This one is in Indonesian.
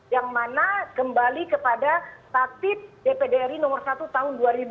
yang mana kembali kepada taktib dpd ri nomor satu tahun dua ribu empat belas